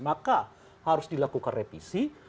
maka harus dilakukan revisi